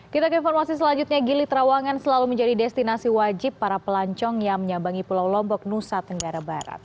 kita ke informasi selanjutnya gili trawangan selalu menjadi destinasi wajib para pelancong yang menyambangi pulau lombok nusa tenggara barat